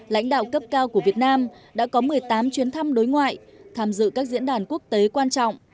lãnh đạo cấp cao của việt nam đã có một mươi tám chuyến thăm đối ngoại tham dự các diễn đàn quốc tế quan trọng